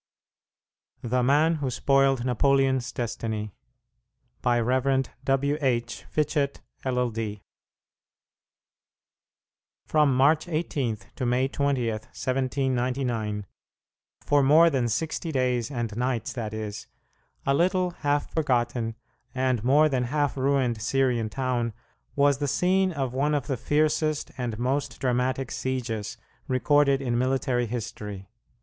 THE MAN WHO SPOILED NAPOLEON'S "DESTINY" By Rev. W. H. Fitchett, LL.D. From March 18 to May 20, 1799 for more than sixty days and nights, that is a little, half forgotten, and more than half ruined Syrian town was the scene of one of the fiercest and most dramatic sieges recorded in military history.